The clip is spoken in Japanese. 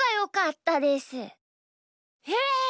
へえ！